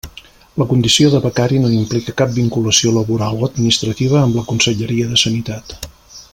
La condició de becari no implica cap vinculació laboral o administrativa amb la Conselleria de Sanitat.